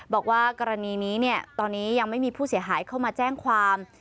บอกว่ากรณีนี้ตอนนี้ยังไม่มีผู้เสียหายเข้ามาแจ้งความ